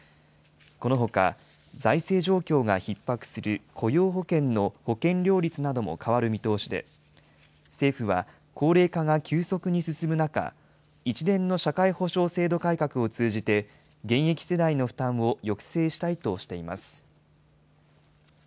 このほか、財政状況がひっ迫する雇用保険の保険料率なども変わる見通しで、政府は、高齢化が急速に進む中、一連の社会保障制度改革を通じて、現役世代の負担を抑制したいとしています。